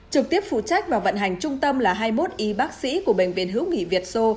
trực tiếp phụ trách và vận hành trung tâm là hai mươi một y bác sĩ của bệnh viện hữu nghị việt sô